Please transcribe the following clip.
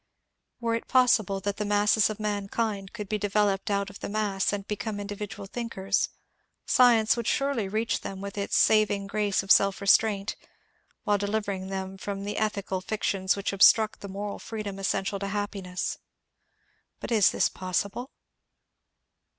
Were it possible that the masses of mankind could be de veloped out of the mass and become individual thinkers, science would surely reach them with its " saving grace " of self restraint, while delivering them from the ethical fictions which obstruct the moral freedom essential to happiness. But is this possible